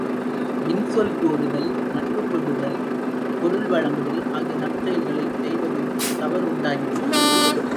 இன்சொல் கூறுதல், நட்புக் கொள்ளுதல், பொருள் வழங்குதல் ஆகிய நற்செயல்களைச் செய்வதிலும் தவறு உண்டாகிவிடும்.